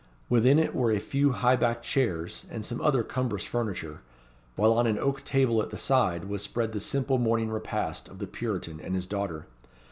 Within it were a few high backed chairs, and some other cumbrous furniture, while on an oak table at the side, was spread the simple morning repast of the Puritan and his daughter.